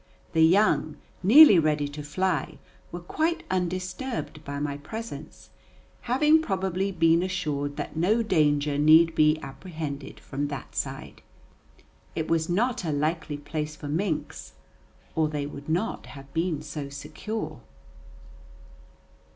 The young, nearly ready to fly, were quite undisturbed by my presence, having probably been assured that no danger need be apprehended from that side. It was not a likely place for minks, or they would not have been so secure.